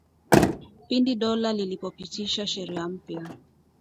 Pindi dola lilipopitisha sheria mpya